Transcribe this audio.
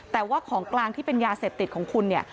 แต่ว่าของกลางที่เป็นยาเสพติดของคุณเนี่ย